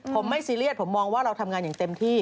ผมไม่ซีเรียสผมมองว่าเราทำงานอย่างเต็มที่